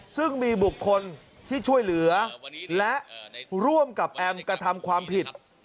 ซึ่งมีบุคคลที่ช่วยเหลือและร่วมกับแอมกระทำความผิด